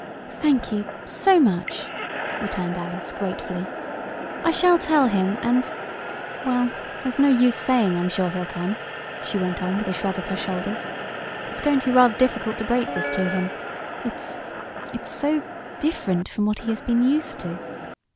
"Thank you, so much!" returned Alice, gratefully. "I shall tell him, and well, there's no use saying I'm sure he'll come," she went on with a shrug of her shoulders. "It's going to be rather difficult to break this to him. It it's so different from what he has been used to."